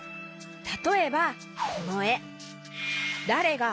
たとえばこのえ「だれが」